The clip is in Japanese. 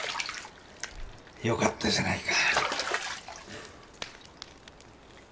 よかったじゃないか。